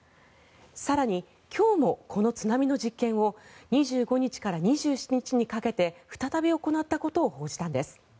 更に、今日もこの「津波」の実験を２５日から２７日にかけて再び行ったことを報じたんです。